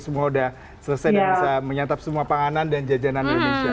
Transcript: semua sudah selesai dan bisa menyatap semua panganan dan jajanan indonesia